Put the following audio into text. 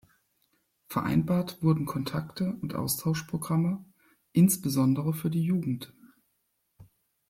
Vereinbart wurden „Kontakte und Austauschprogramme“, insbesondere für die Jugend.